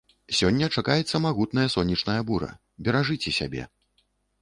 Сёння чакаецца магутная сонечная бура, беражыце сябе!